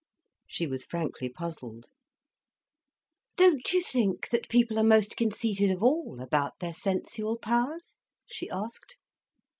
She was frankly puzzled. "Don't you think that people are most conceited of all about their sensual powers?" she asked.